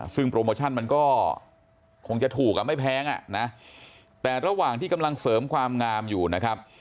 ซึ่งโปรโมชั่นมันก็คงจะถูกอ่ะไม่แพงอ่ะนะแต่ระหว่างที่กำลังเสริมความงามอยู่นะครับ